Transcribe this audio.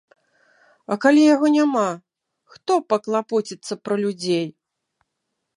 А калі яго няма, хто паклапоціцца пра людзей?